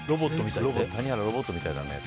谷原ロボットみたいだねって。